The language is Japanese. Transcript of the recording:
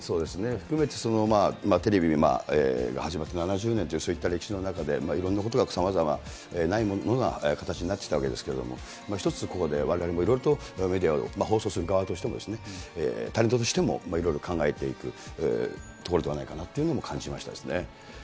含めてテレビが始まって７０年と、そういった歴史の中でいろんなことがさまざま、ないものが形になってきたわけですけれども、一つ、ここでわれわれもいろいろと、メディアを、放送する側としても、タレントとしてもいろいろ考えていくところではないかなというのも感じましたですね。